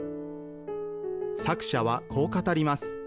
作者はこう語ります。